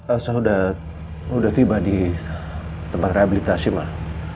elsa udah udah tiba di tempat rehabilitasi mak